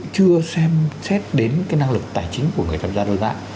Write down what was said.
thực sự chưa xem xét đến cái năng lực tài chính của người tham gia đấu giá